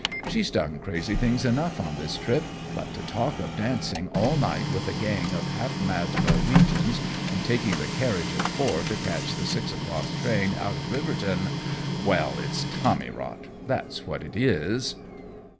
"She's done crazy things enough on this trip, but to talk of dancing all night with a gang of half mad Norwegians and taking the carriage at four to catch the six o'clock train out of Riverton well, it's tommy rot, that's what it is!"